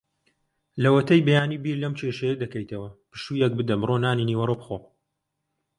لەوەتەی بەیانی بیر لەم کێشەیە دەکەیتەوە. پشوویەک بدە؛ بڕۆ نانی نیوەڕۆ بخۆ.